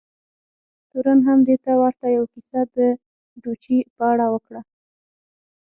تورن هم دې ته ورته یوه کیسه د ډوچي په اړه وکړه.